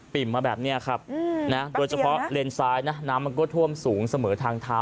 ปิ่มมาแบบนี้ครับโดยเฉพาะเลนส์ซ้ายน้ำก็ท่วมสูงเสมอทางท้า